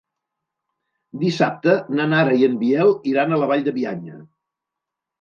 Dissabte na Nara i en Biel iran a la Vall de Bianya.